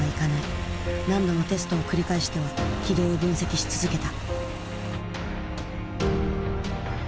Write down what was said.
何度もテストを繰り返しては軌道を分析し続けた。